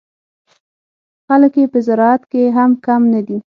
خلک یې په زراعت کې هم کم نه دي.